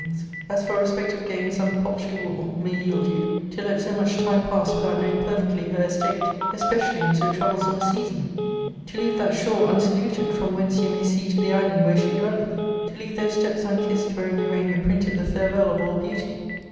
'■;;< s lor respect oCgaia some paltry wool niay^ield you, ;''* X) much time pass without knowing perfectly {ler ; ii:Me. e^[^ecially in so troublesome a season ; to leave that »n.o. ? iiwsaluted from whence you may see to the island vlvert she dwelleth ; to leave those steps unkissed wherein L'.an:a printed the farewell of all beauty?'